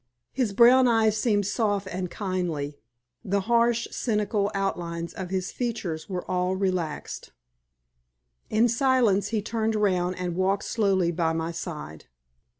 His brown eyes seemed soft and kindly, the harsh, cynical outlines of his features were all relaxed. In silence he turned round and walked slowly by my side.